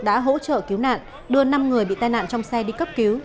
đã hỗ trợ cứu nạn đưa năm người bị tai nạn trong xe đi cấp cứu